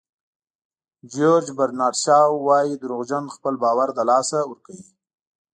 جیورج برنارد شاو وایي دروغجن خپل باور له لاسه ورکوي.